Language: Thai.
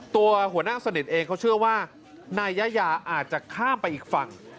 ตัวหัวหน้าสนิทเองเขาเชื่อว่านายยายาอาจจะข้ามไปอีกฝั่ง